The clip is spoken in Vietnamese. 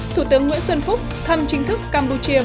thủ tướng nguyễn xuân phúc thăm chính thức campuchia và lào